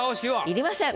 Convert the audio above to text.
要りません。